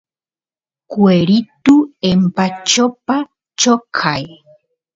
cueritu empachopa choqay